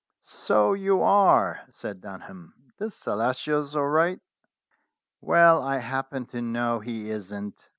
"So you are," said Dunham. "The Celestial's all right." "Well, I happen to know he isn't."